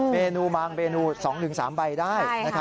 เมนูบางเมนู๒๓ใบได้